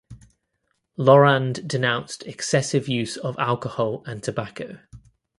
Lorand denounced excessive use of alcohol and tobacco.